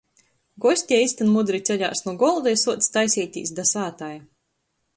Gosti eistyn mudri ceļās nu golda i suoc taiseitīs da sātai.